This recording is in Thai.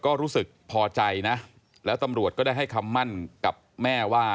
ก็รู้สึกพอใจนะแล้วตำรวจก็ได้ให้คำมั่นกับแม่ว่า